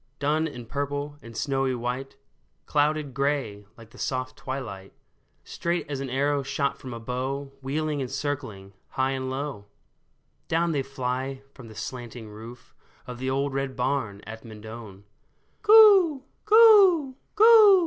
Dun and purple and snowy white, Clouded gray, like the soft twilight, Straight as an arrow shot from a bow, Wheeling and circling high and low, Down they fly from the slanting roof Of the old red barn at Mendon. " Coo ! coo ! coo